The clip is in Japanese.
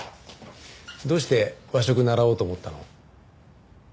どうして和食習おうと思ったの？